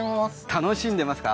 楽しんでますか？